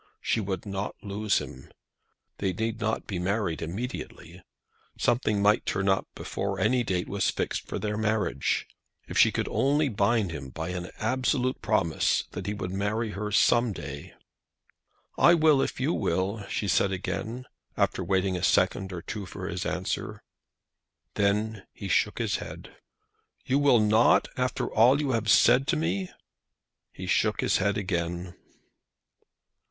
She would not lose him. They need not be married immediately. Something might turn up before any date was fixed for their marriage. If she could only bind him by an absolute promise that he would marry her some day! "I will, if you will," she said again, after waiting a second or two for his answer. Then he shook his head. "You will not, after all that you have said to me?" He shook his head again.